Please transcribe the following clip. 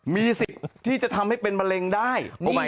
มีสิทธิ์ที่จะทำให้เป็นมะเร็งได้